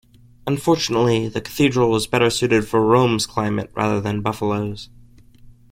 Unfortunately, the cathedral was better suited for Rome's climate rather than Buffalo's.